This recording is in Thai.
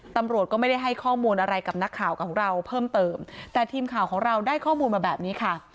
ตำรวจก็ไม่ได้ให้ข้อมูลอะไรกับนักข่าวของเราเพิ่มเติมแต่ทีมข่าวของเราได้ข้อมูลมาแบบนี้ค่ะ